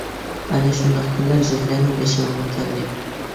ئەنە شۇنداق كۈنلەر زۆھرەنىڭ بېشىغىمۇ كەلدى.